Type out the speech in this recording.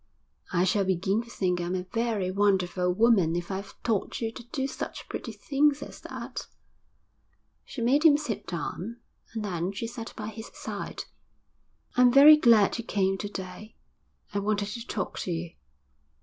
'I shall begin to think I'm a very wonderful woman if I've taught you to do such pretty things as that.' She made him sit down, and then she sat by his side. 'I'm very glad you came to day. I wanted to talk to you.